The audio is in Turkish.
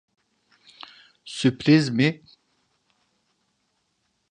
Sürpriz mi?